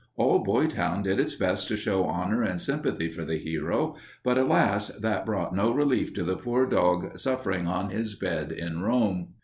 All Boytown did its best to show honor and sympathy for the hero, but, alas, that brought no relief to the poor dog suffering on his bed in Rome.